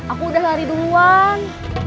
aku udah lari duluan